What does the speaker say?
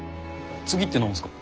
次って何すか？